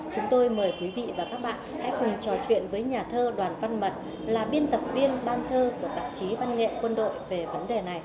chúng tôi mời quý vị và các bạn hãy cùng trò chuyện với nhà thơ đoàn văn mật là biên tập viên ban thơ của tạp chí văn nghệ quân đội về vấn đề này